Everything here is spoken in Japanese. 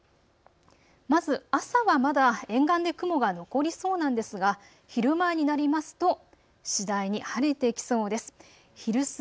まず朝はまだ沿岸で雲が残りそうなんですが昼前になりますと次第に晴れてきそうです。